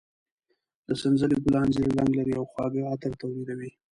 د سنځلې ګلان زېړ رنګ لري او خواږه عطر تولیدوي.